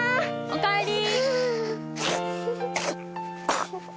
おかえり！